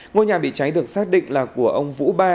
ngôi nhà bị cháy được xác định là của ông vũ ba